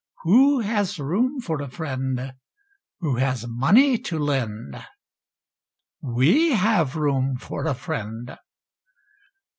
Who has room for a friend Who has money to lend? We have room for a friend!